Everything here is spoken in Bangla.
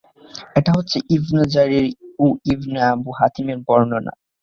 এটা হচ্ছে ইবন জারীর ও ইবন আবূ হাতিম-এর বর্ণনা।